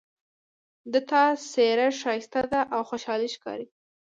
د تا څېره ښایسته ده او خوشحاله ښکاري